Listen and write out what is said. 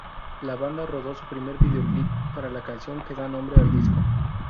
La banda rodó su primer videoclip para la canción que da nombre al disco.